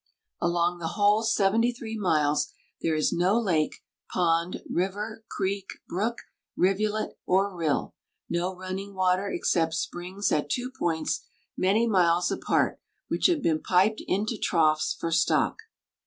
Along the whole seventy three miles there is no lake, pond, river, creek, brook, rivulet, or rill, no running water except springs at two points many miles apart which have been piped into troughs for stock.